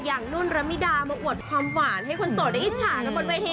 นุ่นระมิดามาอวดความหวานให้คนโสดได้อิจฉากันบนเวที